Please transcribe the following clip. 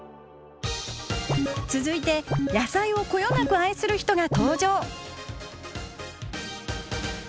続いて野菜をこよなく愛する人が登場！